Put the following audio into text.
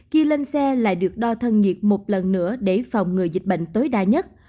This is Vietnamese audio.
khi lên xe lại được đo thân nhiệt một lần nữa để phòng ngừa dịch bệnh tối đa nhất